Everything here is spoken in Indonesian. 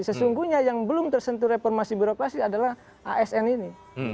sesungguhnya yang belum tersentuh reformasi birokrasi adalah asn ini